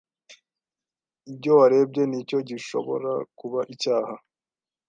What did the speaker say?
ibyo warebye ni cyo gishobora kuba icyaha